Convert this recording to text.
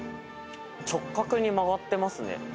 直角に曲がってますね。